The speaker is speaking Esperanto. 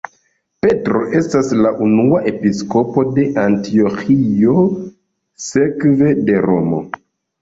Petro estas la unua episkopo de Antioĥio sekve de Romo.